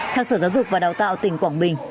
theo sở giáo dục và đào tạo tỉnh quảng bình